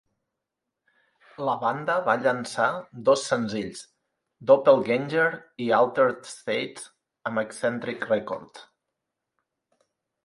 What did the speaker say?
La banda va llançar dos senzills, "Doppelganger" i "Altered States" amb Eccentric Records.